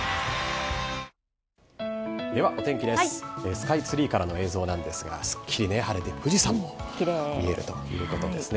スカイツリーからの映像なんですが、すっきり晴れて、富士山も見えるということですね。